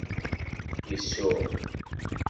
Isuɣ.